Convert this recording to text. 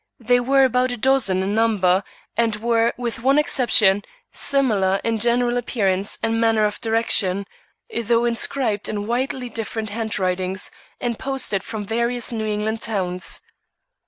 They were about a dozen in number, and were, with one exception, similar in general appearance and manner of direction, though inscribed in widely different handwritings, and posted from various New England towns.